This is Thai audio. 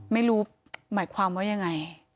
ไม่รู้หมายความว่ายังไง